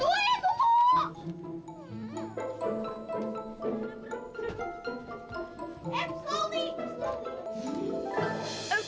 tunggu ya tunggu